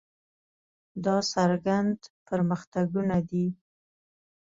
دا څرګند پرمختګونه دي.